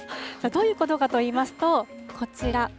どういうことかといいますと、こちら。